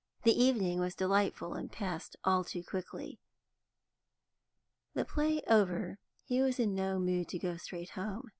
The evening was delightful, and passed all too quickly. The play over, he was in no mood to go straight home.